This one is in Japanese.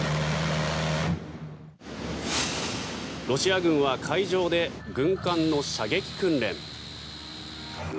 ロシア軍は海上で軍艦の射撃訓練。